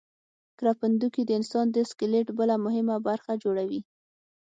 کرپندوکي د انسان د سکلیټ بله مهمه برخه جوړوي.